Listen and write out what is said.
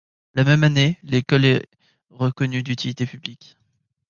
La même année, l’école est reconnue d’utilité publique.